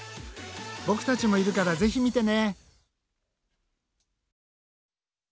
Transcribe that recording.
ボクたちもいるからぜひ見てね。